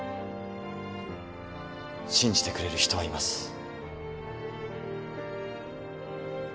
信じてくれる人はいます。